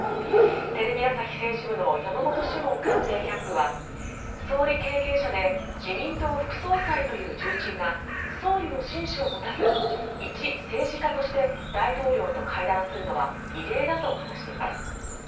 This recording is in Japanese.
テレビ朝日政治部の山本志門官邸キャップは総理経験者で自民党副総裁という重鎮が総理の親書を持たず一政治家として大統領と会談するのは異例だと話しています。